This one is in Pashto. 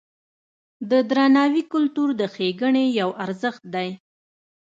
د درناوي کلتور د ښېګڼې یو ارزښت دی.